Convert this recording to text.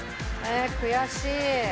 「え悔しい！」